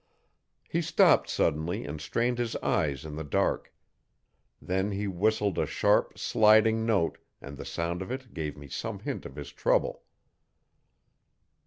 He stopped suddenly and strained his eyes in the dark. Then he whistled a sharp, sliding note, and the sound of it gave me some hint of his trouble.